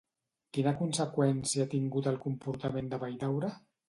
Quina conseqüència ha tingut el comportament de Valldaura?